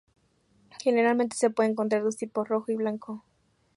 Generalmente se puede encontrar dos tipos: rojo y blanco.